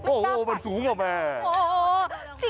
โอ้โหมันสูงเหรอแม่